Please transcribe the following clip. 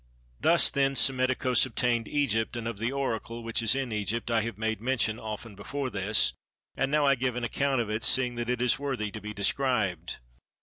Thus then Psammetichos obtained Egypt: and of the Oracle which is in Egypt I have made mention often before this, and now I give an account of it, seeing that it is worthy to be described.